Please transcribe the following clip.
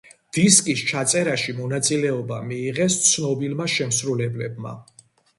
დისკის ჩაწერაში მონაწილეობა მიიღეს ცნობილმა შემსრულებლებმა.